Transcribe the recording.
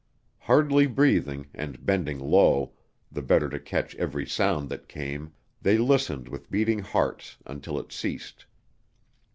Hardly breathing, and bending low, the better to catch every sound that came, they listened with beating hearts until it ceased.